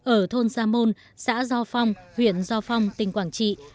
ở thôn sa môn xã do phong huyện do phong tỉnh quảng trị